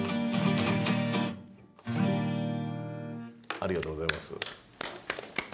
ありがとうございます。